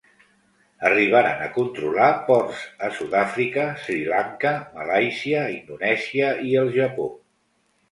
Arribaren a controlar ports a Sud-àfrica, Sri Lanka, Malàisia, Indonèsia i el Japó.